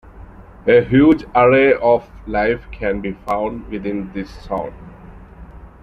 A huge array of life can be found within this zone.